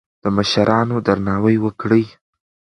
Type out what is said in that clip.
د مشرانو درناوی وکړئ.